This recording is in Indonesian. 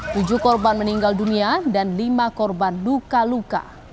tujuh korban meninggal dunia dan lima korban luka luka